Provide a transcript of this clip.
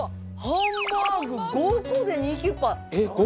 ハンバーグ５個で２９８！